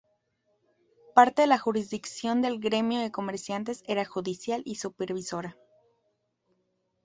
Parte de la jurisdicción del gremio de comerciantes era judicial y supervisora.